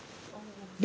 で